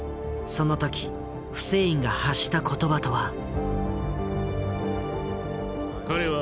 その時フセインが発した言葉とは。